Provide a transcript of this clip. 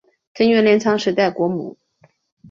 藤原镰仓时代国母。